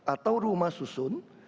atau rumah susun